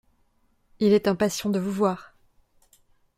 Il est impatient de vous voir.